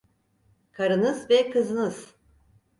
Karınız ve kızınız!